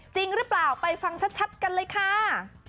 จริงหรือเปล่าไปฟังชัดกันเลยค่ะ